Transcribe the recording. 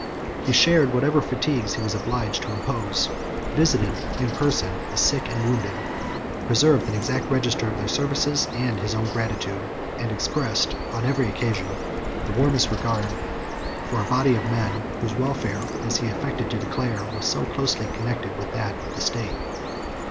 He shared whatever fatigues he was obliged to impose, visited, in person, the sick and wounded, preserved an exact register of their services and his own gratitude, and expressed on every occasion, the warmest regard for a body of men, whose welfare, as he affected to declare, was so closely connected with that of the state.